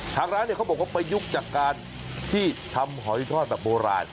ทางร้านเนี่ยเขาบอกว่าประยุกต์จากการที่ทำหอยทอดแบบโบราณ